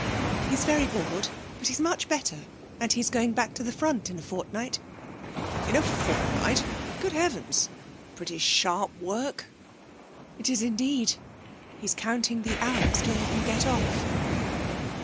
'He's very bored. But he's much better, and he's going back to the front in a fortnight.' 'In a fortnight! Good heavens! Pretty sharp work.' 'It is, indeed. He's counting the hours till he can get off.'